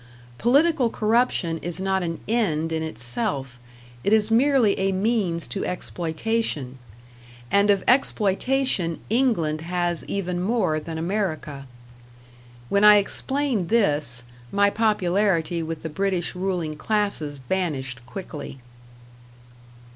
Political corruption is not an end in itself, it is merely a means to exploitation; and of exploitation England has even more than America. When I explained this, my popularity with the British ruling classes vanished quickly.